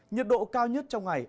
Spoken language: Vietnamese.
nhiệt độ cao nhất trong ngày